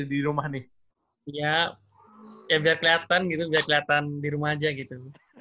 ya biar keliatan gitu biar keliatan di rumah aja gitu